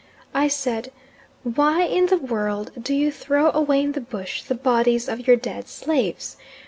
I said, "Why in the world do you throw away in the bush the bodies of your dead slaves?